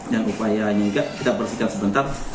dan upayanya juga kita bersihkan sebentar